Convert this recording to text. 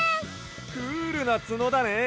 クールなつのだね！